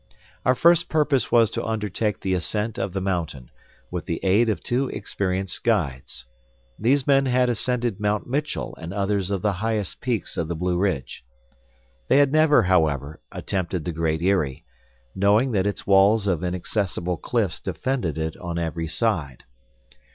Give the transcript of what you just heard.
Our first purpose was to undertake the ascent of the mountain, with the aid of two experienced guides. These men had ascended Mt. Mitchell and others of the highest peaks of the Blueridge. They had never, however, attempted the Great Eyrie, knowing that its walls of inaccessible cliffs defended it on every side.